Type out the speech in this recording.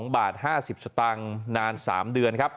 ๒บาท๕๐สตางค์นาน๓เดือนครับ